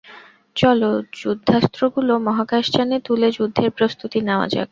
চলো, যুদ্ধাস্ত্রগুলো মহাকাশযানে তুলে যুদ্ধের প্রস্তুতি নেওয়া যাক।